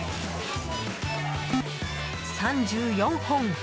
３４本。